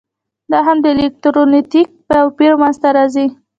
دوهم د الکترولیتیک توپیر منځ ته راځي.